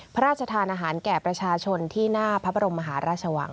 พระราชทานอาหารแก่ประชาชนที่หน้าพระบรมมหาราชวัง